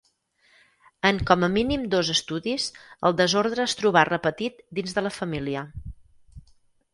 En com a mínim dos estudis el desorde es trobà repetit dins de la família.